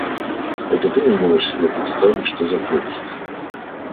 Это ты не можешь себе представить, что за прелесть!